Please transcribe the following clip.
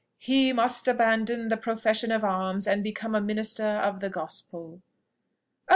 "He must abandon the profession of arms and become a minister of the gospel." "Oh!